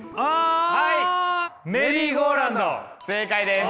正解です。